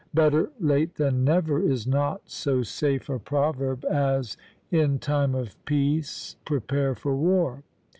"Better late than never" is not so safe a proverb as "In time of peace prepare for war."